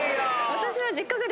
私は。